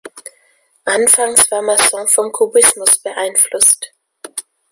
Anfangs war Masson vom Kubismus beeinflusst.